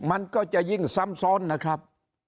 มันก็จะยิ่งซ้ำซ้อนนะครับ